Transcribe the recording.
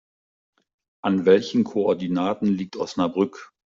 An welchen Koordinaten liegt Osnabrück?